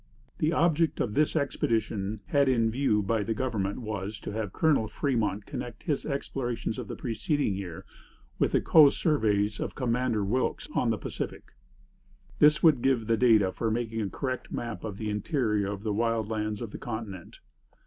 The object of this expedition had in view by the government was, to have Colonel Fremont connect his explorations of the preceding year with the coast surveys of Commander Wilkes on the Pacific. This would give the data for making a correct map of the interior of the wild lands of the continent.